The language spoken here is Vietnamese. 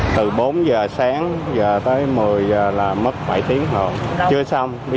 cảm ơn các bạn đã theo dõi và đăng ký kênh của chúng tôi